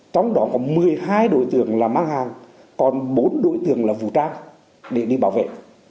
trong đó có một mươi hai đội tưởng là mang hàng còn bốn đội tưởng là vũ trang để đi bảo vệ